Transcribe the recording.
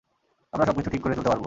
আমরা সবকিছু ঠিক করে তুলতে পারবো।